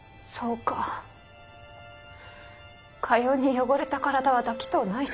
かように汚れた体は抱きとうないと。